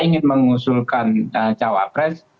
ingin mengusulkan caopres